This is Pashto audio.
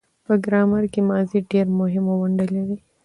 په ګرامر کښي ماضي ډېره مهمه ونډه لري.